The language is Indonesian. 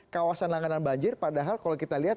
kawasan langganan banjir padahal kalau kita lihat